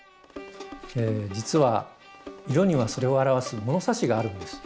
実は色にはそれを表す物差しがあるんです。